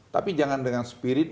tapi jangan dengan spirit